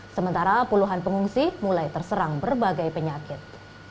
sementara puluhan pengungsi mulai terserang berbagai penyakit